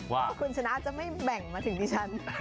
ว่าคุณชนะจะไม่แบ่งมาถึงดิฉัน